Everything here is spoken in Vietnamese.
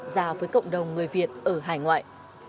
già với cộng đồng người việt ở hải ngoại